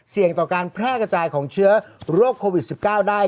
ต่อการแพร่กระจายของเชื้อโรคโควิด๑๙ได้